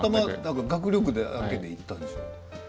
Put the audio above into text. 学力だけでいったんでしょう？